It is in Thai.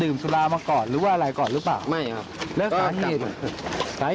อืมนะฮะ